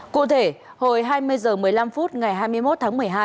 cụ thể hồi hai mươi h một mươi năm phút ngày hai mươi một tháng một mươi hai